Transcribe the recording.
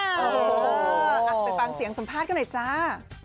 เออไปฟังเสียงสัมภาษณ์กันหน่อยจ้า